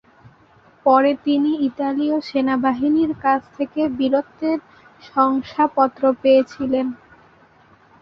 পরে তিনি ইতালীয় সেনাবাহিনীর কাছ থেকে বীরত্বের শংসাপত্র পেয়েছিলেন।